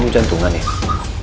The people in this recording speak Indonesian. membentuk ada parah di dalam